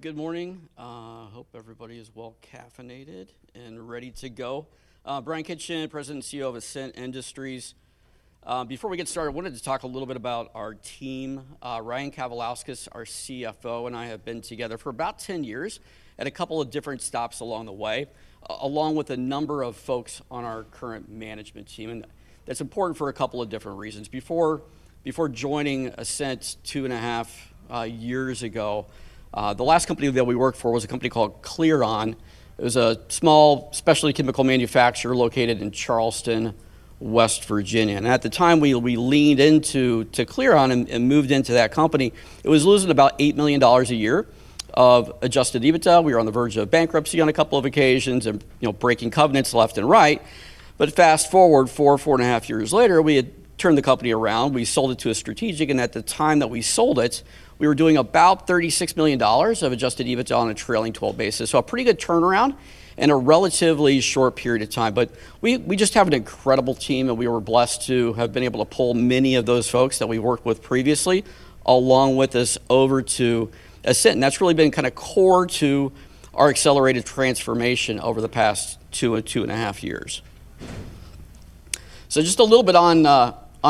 Good morning. Hope everybody is well-caffeinated and ready to go. Bryan Kitchen, President and CEO of Ascent Industries. Before we get started, I wanted to talk a little bit about our team. Ryan Kavalauskas, our CFO, and I have been together for about 10 years at a couple of different stops along the way, along with a number of folks on our current management team, and that's important for a couple of different reasons. Before joining Ascent two and a half years ago, the last company that we worked for was a company called Clearon. It was a small specialty chemical manufacturer located in Charleston, West Virginia. At the time we leaned into Clearon and moved into that company, it was losing about $8 million a year of adjusted EBITDA. We were on the verge of bankruptcy on a couple of occasions and breaking covenants left and right. Fast-forward four and a half years later, we had turned the company around. We sold it to a strategic, and at the time that we sold it, we were doing about $36 million of adjusted EBITDA on a trailing 12 basis. A pretty good turnaround in a relatively short period of time. We just have an incredible team, and we were blessed to have been able to pull many of those folks that we worked with previously along with us over to Ascent. That's really been core to our accelerated transformation over the past two and a half years. Just a little bit on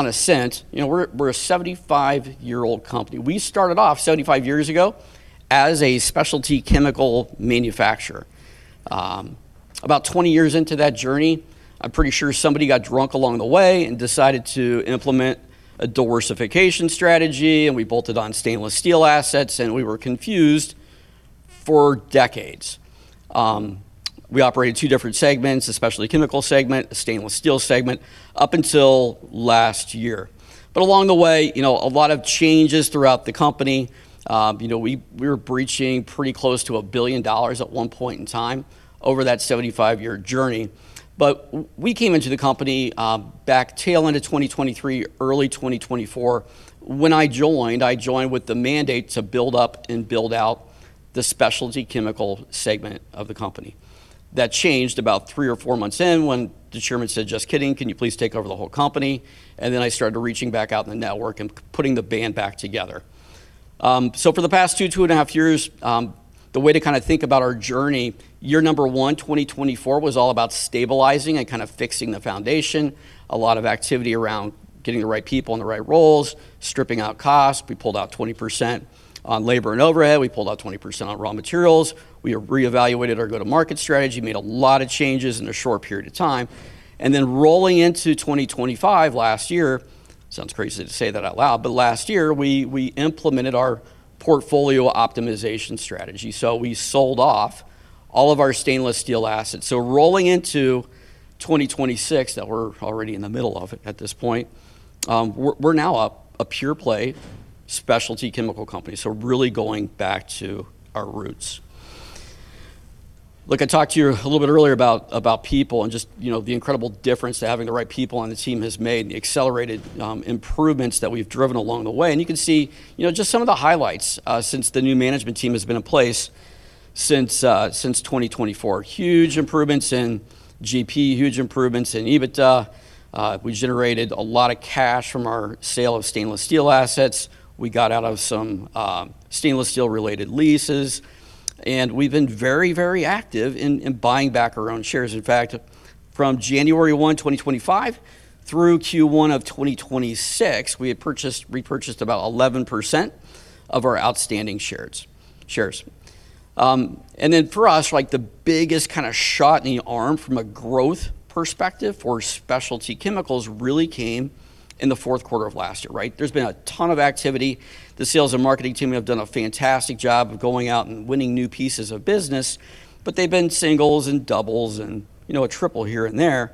Ascent. We're a 75-year-old company. We started off 75 years ago as a specialty chemical manufacturer. About 20 years into that journey, I'm pretty sure somebody got drunk along the way and decided to implement a diversification strategy, and we bolted on stainless steel assets, and we were confused for decades. We operated two different segments, a specialty chemical segment, a stainless steel segment, up until last year. Along the way, a lot of changes throughout the company. We were breaching pretty close to $1 billion at one point in time over that 75-year journey. We came into the company back tail end of 2023, early 2024. When I joined, I joined with the mandate to build up and build out the specialty chemical segment of the company. That changed about three or four months in when the chairman said, "Just kidding. Can you please take over the whole company?" I started reaching back out in the network and putting the band back together. For the past two and a half years, the way to think about our journey, year number one, 2024, was all about stabilizing and fixing the foundation. A lot of activity around getting the right people in the right roles, stripping out costs. We pulled out 20% on labor and overhead. We pulled out 20% on raw materials. We reevaluated our go-to-market strategy, made a lot of changes in a short period of time. Rolling into 2025 last year, sounds crazy to say that out loud. Last year, we implemented our portfolio optimization strategy. We sold off all of our stainless steel assets. Rolling into 2026, that we're already in the middle of at this point, we're now a pure play specialty chemical company, really going back to our roots. Look, I talked to you a little bit earlier about people and just the incredible difference that having the right people on the team has made and the accelerated improvements that we've driven along the way. You can see just some of the highlights since the new management team has been in place since 2024. Huge improvements in GP, huge improvements in EBITDA. We generated a lot of cash from our sale of stainless steel assets. We got out of some stainless steel related leases, we've been very active in buying back our own shares. In fact, from January 1, 2025 through Q1 of 2026, we had repurchased about 11% of our outstanding shares. For us, the biggest shot in the arm from a growth perspective for specialty chemicals really came in the Q4 of last year, right? There's been a ton of activity. The sales and marketing team have done a fantastic job of going out and winning new pieces of business, they've been singles and doubles and a triple here and there.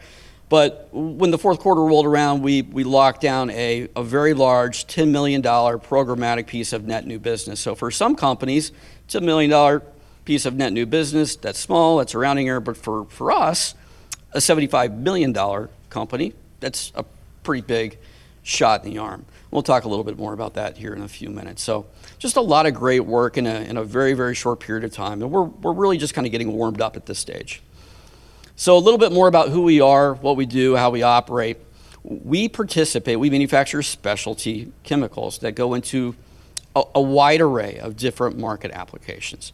When the Q4 rolled around, we locked down a very large $10 million programmatic piece of net new business. For some companies, it's a million-dollar piece of net new business. That's small. That's a rounding error. For us, a $75 million company, that's a pretty big shot in the arm. We'll talk a little bit more about that here in a few minutes. Just a lot of great work in a very short period of time, we're really just getting warmed up at this stage. A little bit more about who we are, what we do, how we operate. We participate, we manufacture specialty chemicals that go into a wide array of different market applications.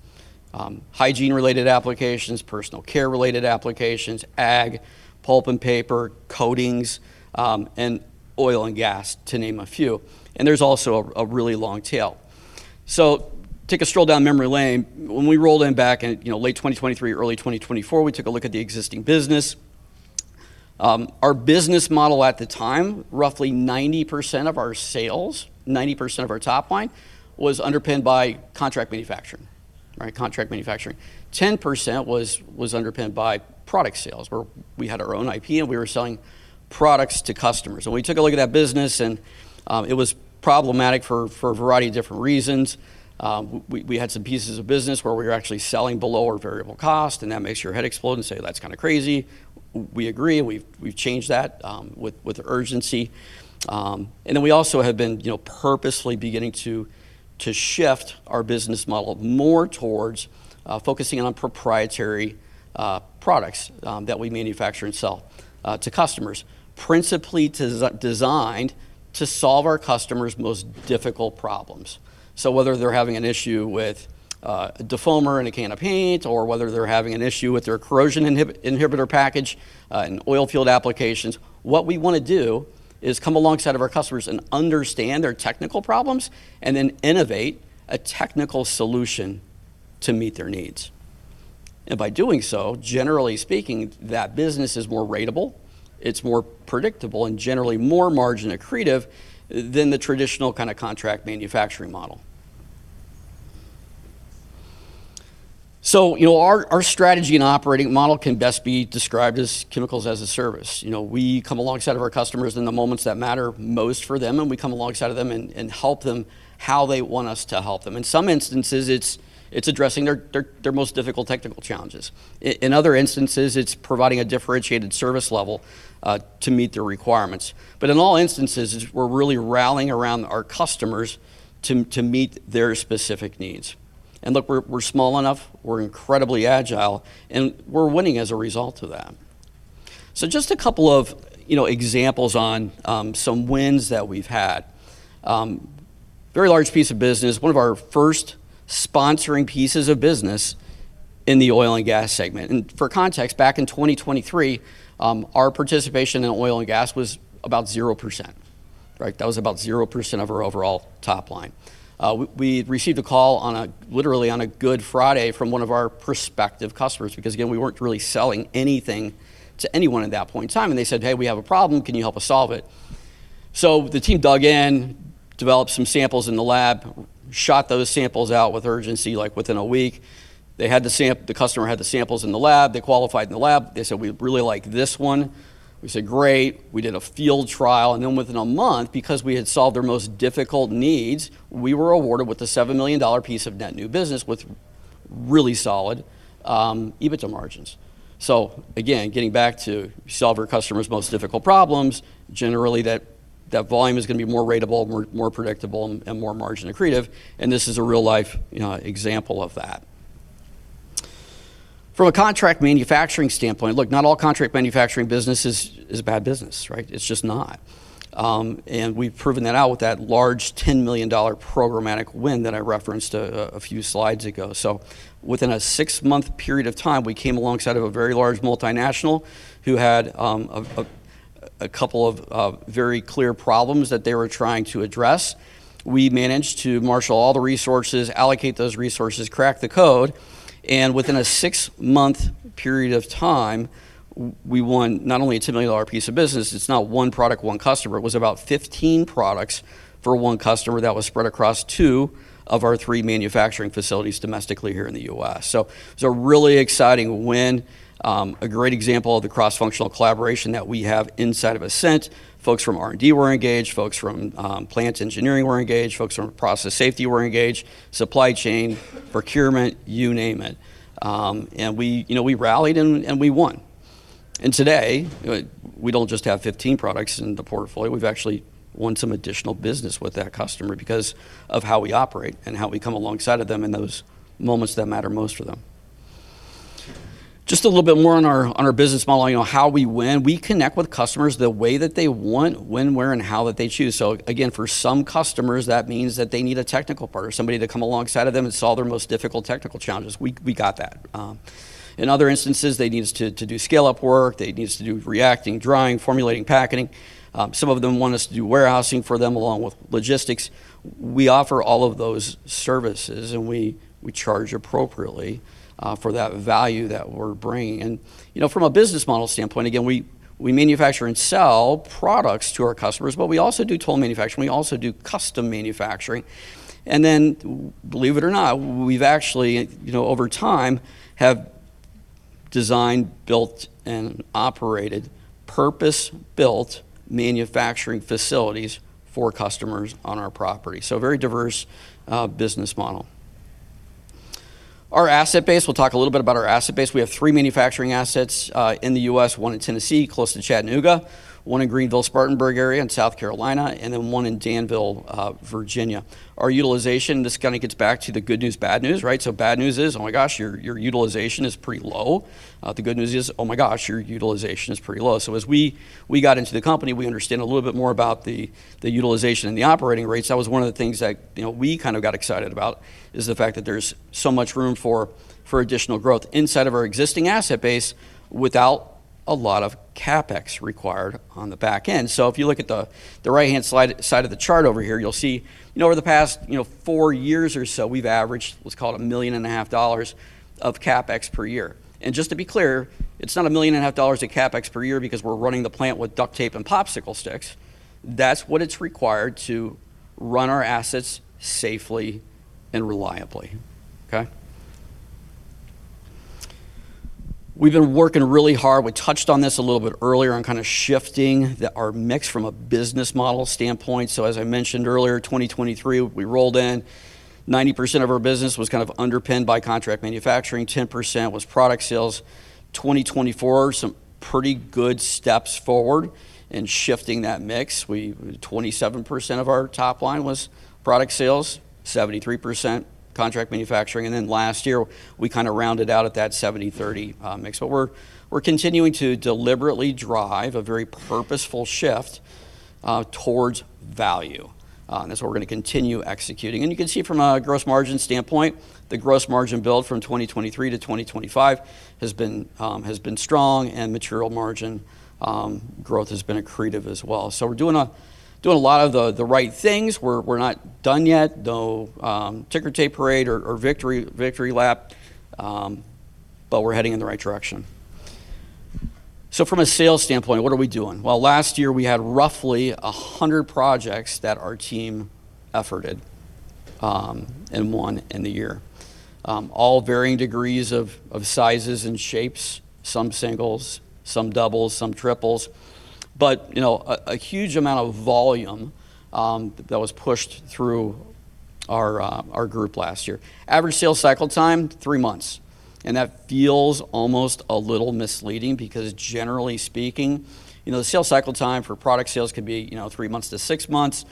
Hygiene related applications, personal care related applications, ag, pulp and paper, coatings, and oil and gas, to name a few. There's also a really long tail. Take a stroll down memory lane. When we rolled in back in late 2023, early 2024, we took a look at the existing business. Our business model at the time, roughly 90% of our sales, 90% of our top line was underpinned by contract manufacturing. Right? Contract manufacturing. 10% was underpinned by product sales, where we had our own IP, we were selling products to customers. We took a look at that business, it was problematic for a variety of different reasons. We had some pieces of business where we were actually selling below our variable cost, that makes your head explode and say, "That's kind of crazy." We agree. We've changed that with urgency. We also have been purposely beginning to shift our business model more towards focusing on proprietary products that we manufacture and sell to customers. Principally designed to solve our customers' most difficult problems. Whether they're having an issue with a defoamer in a can of paint, or whether they're having an issue with their corrosion inhibitor package in oil field applications, what we want to do is come alongside of our customers and understand their technical problems, innovate a technical solution to meet their needs. By doing so, generally speaking, that business is more ratable, it's more predictable, and generally more margin accretive than the traditional kind of contract manufacturing model. Our strategy and operating model can best be described as Chemicals as a Service. We come alongside of our customers in the moments that matter most for them, and we come alongside of them and help them how they want us to help them. In some instances, it's addressing their most difficult technical challenges. In other instances, it's providing a differentiated service level to meet their requirements. In all instances, we're really rallying around our customers to meet their specific needs. Look, we're small enough, we're incredibly agile, and we're winning as a result of that. Just a couple of examples on some wins that we've had. Very large piece of business, one of our first sponsoring pieces of business in the oil and gas segment. For context, back in 2023, our participation in oil and gas was about 0%. That was about 0% of our overall top line. We received a call, literally on a Good Friday, from one of our prospective customers, because again, we weren't really selling anything to anyone at that point in time, and they said, "Hey, we have a problem. Can you help us solve it?" The team dug in, developed some samples in the lab, shot those samples out with urgency. Within a week the customer had the samples in the lab. They qualified in the lab. They said, "We really like this one." We said, "Great." We did a field trial, then within a month, because we had solved their most difficult needs, we were awarded with a $7 million piece of net new business with really solid EBITDA margins. Again, getting back to solve our customers' most difficult problems, generally that volume is going to be more ratable, more predictable, and more margin accretive. This is a real-life example of that. From a contract manufacturing standpoint, look, not all contract manufacturing business is a bad business, right? It's just not. We've proven that out with that large $10 million programmatic win that I referenced a few slides ago. Within a six-month period of time, we came alongside of a very large multinational who had a couple of very clear problems that they were trying to address. We managed to marshal all the resources, allocate those resources, crack the code, within a six-month period of time, we won not only a $10 million piece of business, it's not one product, one customer. It was about 15 products for one customer that was spread across two of our three manufacturing facilities domestically here in the U.S. It was a really exciting win. A great example of the cross-functional collaboration that we have inside of Ascent. Folks from R&D were engaged, folks from plants engineering were engaged, folks from process safety were engaged, supply chain, procurement, you name it. We rallied and we won. Today, we don't just have 15 products in the portfolio. We've actually won some additional business with that customer because of how we operate and how we come alongside of them in those moments that matter most for them. Just a little bit more on our business model. How we win. We connect with customers the way that they want, when, where, and how that they choose. Again, for some customers, that means that they need a technical partner, somebody to come alongside of them and solve their most difficult technical challenges. We got that. In other instances, they need us to do scale-up work, they need us to do reacting, drying, formulating, packaging. Some of them want us to do warehousing for them, along with logistics. We offer all of those services, and we charge appropriately for that value that we're bringing. From a business model standpoint, again, we manufacture and sell products to our customers, but we also do toll manufacturing. We also do custom manufacturing. Believe it or not, we've actually, over time, have designed, built, and operated purpose-built manufacturing facilities for customers on our property. Very diverse business model. Our asset base, we'll talk a little bit about our asset base. We have three manufacturing assets in the U.S., one in Tennessee, close to Chattanooga, one in Greenville, Spartanburg area in South Carolina, and then one in Danville, Virginia. Our utilization, this kind of gets back to the good news, bad news, right? Bad news is, oh my gosh, your utilization is pretty low. The good news is, oh my gosh, your utilization is pretty low. As we got into the company, we understand a little bit more about the utilization and the operating rates. That was one of the things that we got excited about, is the fact that there's so much room for additional growth inside of our existing asset base without a lot of CapEx required on the back end. If you look at the right-hand side of the chart over here, you'll see over the past four years or so, we've averaged what's called a million and a half dollars of CapEx per year. Just to be clear, it's not a million and a half dollars of CapEx per year because we're running the plant with duct tape and popsicle sticks. That's what it's required to run our assets safely and reliably. Okay. We've been working really hard, we touched on this a little bit earlier, on shifting our mix from a business model standpoint. As I mentioned earlier, 2023 we rolled in, 90% of our business was underpinned by contract manufacturing, 10% was product sales. 2024, some pretty good steps forward in shifting that mix. 27% of our top line was product sales, 73%, contract manufacturing, last year we kind of rounded out at that 70/30 mix. We're continuing to deliberately drive a very purposeful shift towards value. That's what we're going to continue executing. You can see from a gross margin standpoint, the gross margin build from 2023 - 2025 has been strong and material margin growth has been accretive as well. We're doing a lot of the right things. We're not done yet. No ticker tape parade or victory lap, but we're heading in the right direction. From a sales standpoint, what are we doing? Last year we had roughly 100 projects that our team efforted and won in the year. All varying degrees of sizes and shapes, some singles, some doubles, some triples. A huge amount of volume that was pushed through our group last year. Average sales cycle time, three months. That feels almost a little misleading because generally speaking, the sales cycle time for product sales could be three months - six months.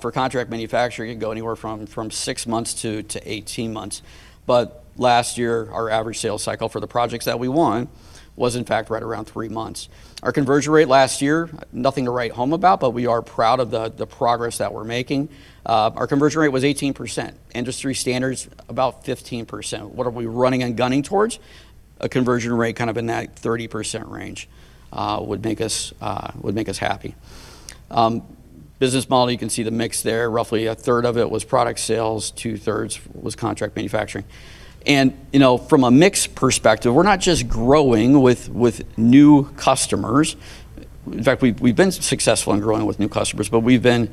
For contract manufacturing, it could go anywhere from 6 months - 18 months. Last year, our average sales cycle for the projects that we won was in fact right around three months. Our conversion rate last year, nothing to write home about, but we are proud of the progress that we're making. Our conversion rate was 18%. Industry standard's about 15%. What are we running and gunning towards? A conversion rate kind of in that 30% range would make us happy. Business model, you can see the mix there. Roughly a third of it was product sales, two-thirds was contract manufacturing. From a mix perspective, we're not just growing with new customers. In fact, we've been successful in growing with new customers, but we've been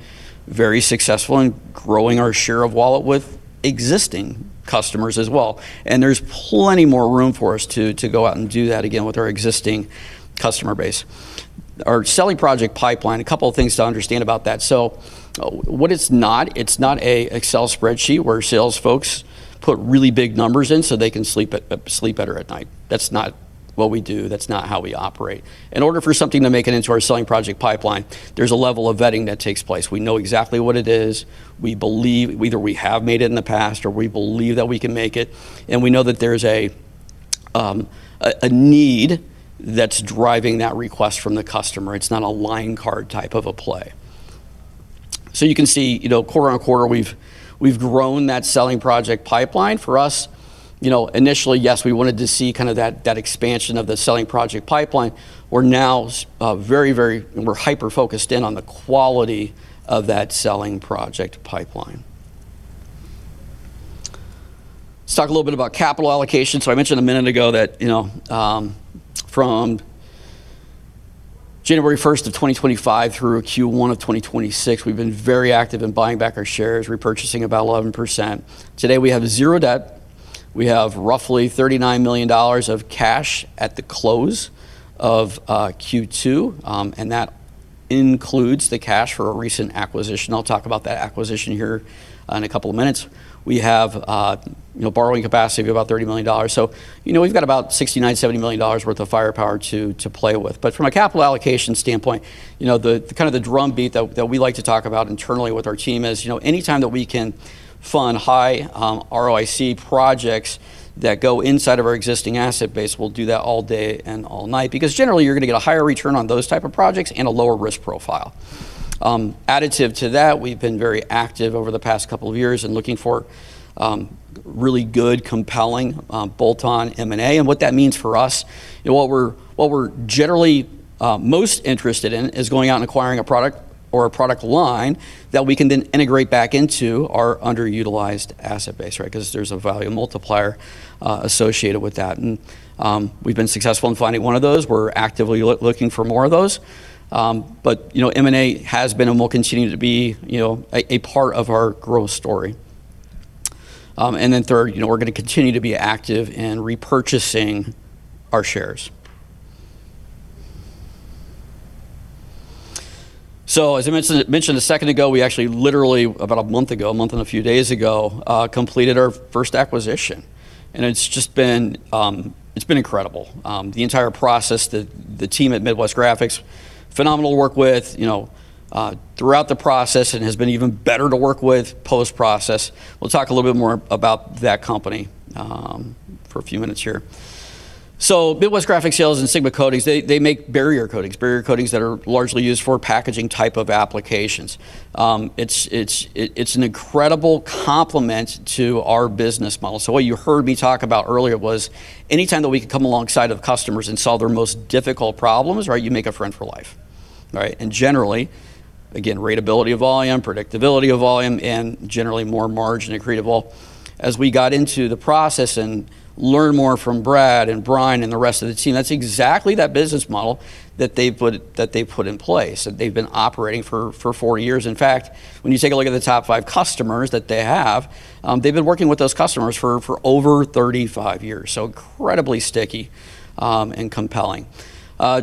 very successful in growing our share of wallet with existing customers as well. There's plenty more room for us to go out and do that again with our existing customer base. Our selling project pipeline, a couple of things to understand about that. What it's not, it's not an Excel spreadsheet where sales folks put really big numbers in so they can sleep better at night. That's not what we do. That's not how we operate. In order for something to make it into our selling project pipeline, there's a level of vetting that takes place. We know exactly what it is. Either we have made it in the past or we believe that we can make it, and we know that there's a need that's driving that request from the customer. It's not a line card type of a play. You can see, quarter-on-quarter, we've grown that selling project pipeline. For us, initially, yes, we wanted to see kind of that expansion of the selling project pipeline. We're now very hyper-focused in on the quality of that selling project pipeline. Let's talk a little bit about capital allocation. I mentioned a minute ago that from January 1st of 2025 through Q1 of 2026, we've been very active in buying back our shares, repurchasing about 11%. Today, we have zero debt. We have roughly $39 million of cash at the close of Q2, and that includes the cash for a recent acquisition. I'll talk about that acquisition here in a couple of minutes. We have borrowing capacity of about $30 million. We've got about $69, $70 million worth of firepower to play with. From a capital allocation standpoint, the kind of the drumbeat that we like to talk about internally with our team is any time that we can fund high ROIC projects that go inside of our existing asset base, we'll do that all day and all night. Generally, you're going to get a higher return on those type of projects and a lower risk profile. Additive to that, we've been very active over the past couple of years and looking for really good, compelling bolt-on M&A. What that means for us, what we are generally most interested in is going out and acquiring a product or a product line that we can then integrate back into our underutilized asset base. Because there is a value multiplier associated with that. We have been successful in finding one of those. We are actively looking for more of those. M&A has been and will continue to be a part of our growth story. Third, we are going to continue to be active in repurchasing our shares. As I mentioned a second ago, we actually literally, about a month ago, a month and a few days ago, completed our first acquisition. It has been incredible. The entire process, the team at Midwest Graphic Sales, phenomenal to work with throughout the process and has been even better to work with post-process. We will talk a little bit more about that company for a few minutes here. Midwest Graphic Sales and Sigma Coatings, they make barrier coatings. Barrier coatings that are largely used for packaging type of applications. It is an incredible complement to our business model. What you heard me talk about earlier was anytime that we can come alongside of customers and solve their most difficult problems, you make a friend for life. Generally, again, ratability of volume, predictability of volume, and generally more gross margin accretive. As we got into the process and learned more from Brad and Brian and the rest of the team, that is exactly that business model that they have put in place, that they have been operating for four years. In fact, when you take a look at the top five customers that they have, they have been working with those customers for over 35 years. Incredibly sticky and compelling.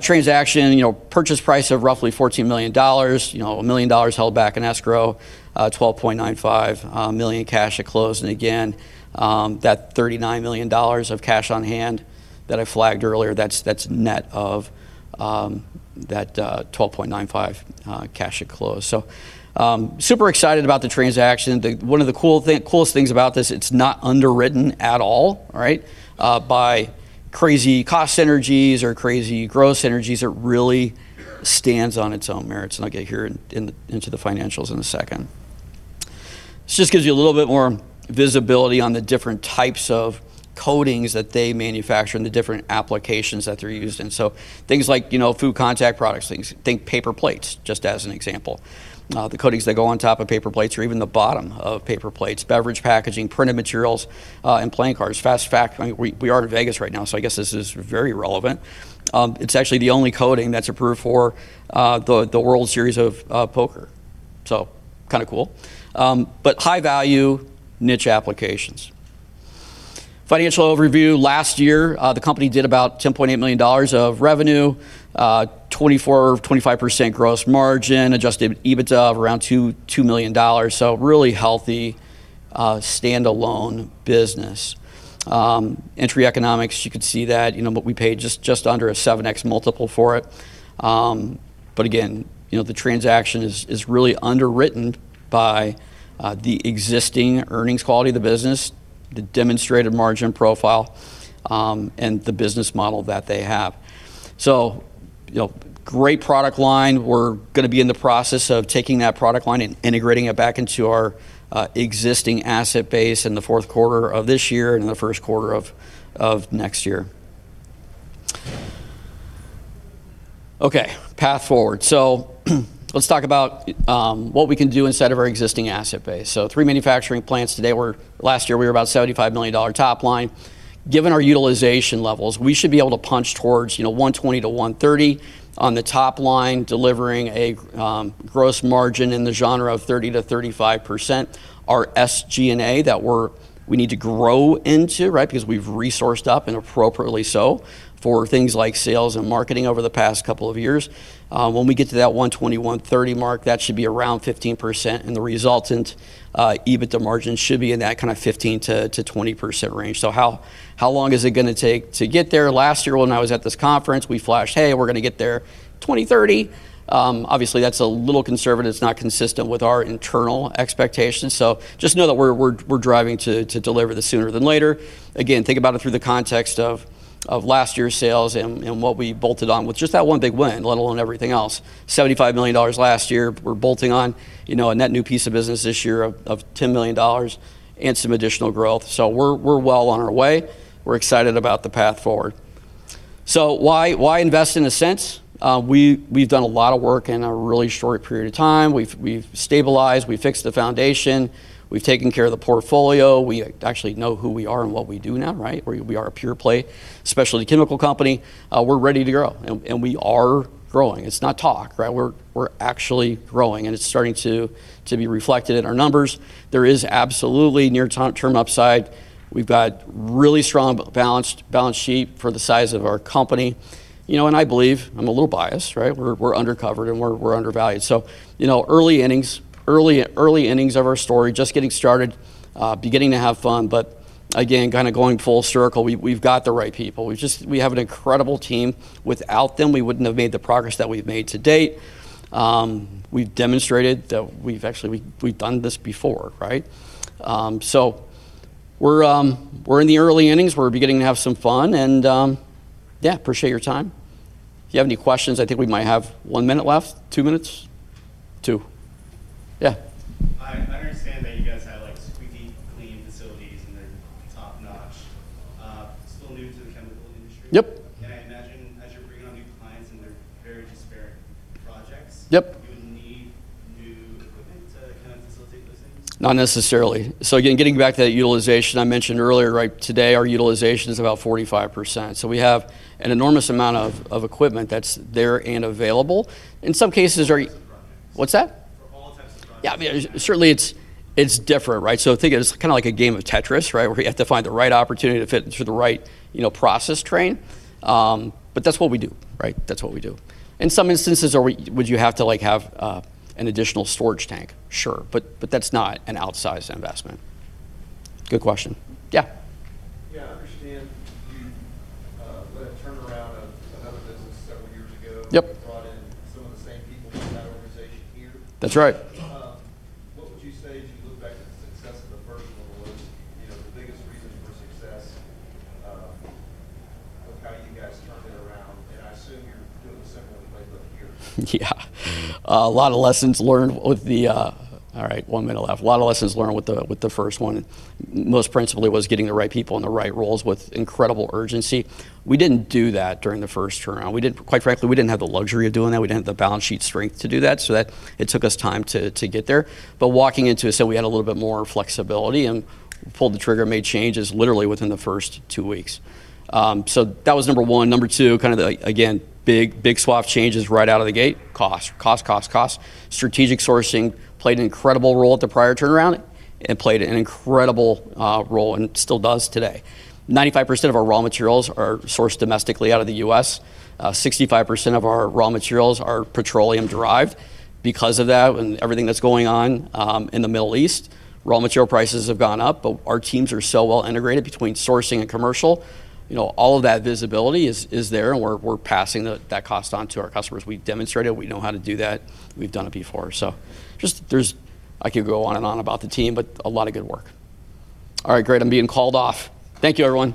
Transaction, purchase price of roughly $14 million. $1 million held back in escrow. $12.95 million cash at close. Again, that $39 million of cash on hand that I flagged earlier, that is net of that $12.95 million cash at close. Super excited about the transaction. One of the coolest things about this, it is not underwritten at all by crazy cost synergies or crazy growth synergies. It really stands on its own merits, and I will get here into the financials in a second. This just gives you a little bit more visibility on the different types of coatings that they manufacture and the different applications that they are used in. Things like food contact products, think paper plates, just as an example. The coatings that go on top of paper plates or even the bottom of paper plates, beverage packaging, printed materials, and playing cards. Fast fact, we are in Vegas right now, so I guess this is very relevant. It is actually the only coating that is approved for the World Series of Poker. Kind of cool. High-value niche applications. Financial overview. Last year, the company did about $10.8 million of revenue, 24% or 25% gross margin, adjusted EBITDA of around $2 million. Really healthy standalone business. Entry economics, you can see that, what we paid, just under a 7x multiple for it. Again, the transaction is really underwritten by the existing earnings quality of the business, the demonstrated gross margin profile, and the business model that they have. Great product line. We're going to be in the process of taking that product line and integrating it back into our existing asset base in the Q4 of this year and in the Q1 of next year. Path forward. Let's talk about what we can do inside of our existing asset base. Three manufacturing plants today. Last year, we were about $75 million top line. Given our utilization levels, we should be able to punch towards 120 - 130 on the top line, delivering a gross margin in the genre of 30%-35%. Our SGA that we need to grow into, right? Because we've resourced up, and appropriately so, for things like sales and marketing over the past couple of years. When we get to that 120, 130 mark, that should be around 15%, and the resultant EBITDA margin should be in that kind of 15%-20% range. How long is it going to take to get there? Last year when I was at this conference, we flashed, "Hey, we're going to get there 2030." Obviously, that's a little conservative. It's not consistent with our internal expectations. Just know that we're driving to deliver this sooner than later. Again, think about it through the context of last year's sales and what we bolted on with just that one big win, let alone everything else. $75 million last year, we're bolting on a net new piece of business this year of $10 million and some additional growth. We're well on our way. We're excited about the path forward. Why invest in Ascent? We've done a lot of work in a really short period of time. We've stabilized. We've fixed the foundation. We've taken care of the portfolio. We actually know who we are and what we do now, right? We are a pure-play specialty chemical company. We're ready to grow, and we are growing. It's not talk, right? We're actually growing, and it's starting to be reflected in our numbers. There is absolutely near-term upside. We've got really strong balance sheet for the size of our company. I believe, I'm a little biased, right? We're undercovered, and we're undervalued. Early innings of our story, just getting started. Beginning to have fun, again, kind of going full circle, we've got the right people. We have an incredible team. Without them, we wouldn't have made the progress that we've made to date. We've demonstrated that we've done this before, right? We're in the early innings. We're beginning to have some fun. Yeah, appreciate your time. If you have any questions, I think we might have one minute left, two minutes? Two. Yeah. I understand that you guys have squeaky clean facilities, and they're top-notch. Still new to the chemical industry. Yep. I imagine as you're bringing on new clients and their very disparate projects. Yep You would need new equipment to kind of facilitate those ends? Not necessarily. Again, getting back to that utilization I mentioned earlier, right? Today, our utilization is about 45%. We have an enormous amount of equipment that's there and available. In some cases. For all types of projects. What's that? For all types of projects. Yeah. Certainly, it's different, right? Think of it as kind of like a game of Tetris, right? Where you have to find the right opportunity to fit into the right process train. That's what we do, right? That's what we do. In some instances, would you have to have an additional storage tank? Sure. That's not an outsized investment. Good question. Yeah. Yeah, I understand you led a turnaround of another business several years ago. Yep. You brought in some of the same people from that organization here. That's right. What would you say, as you look back at the success of the first one, was the biggest reason for success of how you guys turned it around? I assume you're doing a similar playbook here. Yeah. All right, one minute left. A lot of lessons learned with the first one. Most principally was getting the right people in the right roles with incredible urgency. We didn't do that during the first turnaround. Quite frankly, we didn't have the luxury of doing that. We didn't have the balance sheet strength to do that, so it took us time to get there. Walking into Ascent, we had a little bit more flexibility and pulled the trigger and made changes literally within the first two weeks. That was number one. Number two, kind of the, again, big swath changes right out of the gate. Cost. Strategic sourcing played an incredible role at the prior turnaround, and it still does today. 95% of our raw materials are sourced domestically out of the U.S. 65% of our raw materials are petroleum-derived. Because of that and everything that's going on in the Middle East, raw material prices have gone up. Our teams are so well integrated between sourcing and commercial. All of that visibility is there, and we're passing that cost on to our customers. We've demonstrated we know how to do that. We've done it before. I could go on and on about the team, but a lot of good work. All right, great. I'm being called off. Thank you, everyone.